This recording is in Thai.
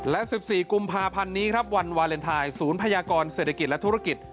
และ๑๔กุมภาพันธ์นี้ครับวันวาเลนไทยศูนย์พยากรเศรษฐกิจและธุรกิจ